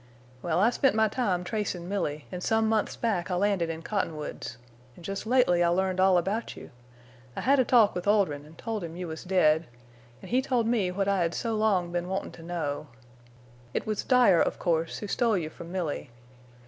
Well, I spent my time tracin' Milly, an' some months back I landed in Cottonwoods. An' jest lately I learned all about you. I had a talk with Oldrin' an' told him you was dead, an' he told me what I had so long been wantin' to know. It was Dyer, of course, who stole you from Milly.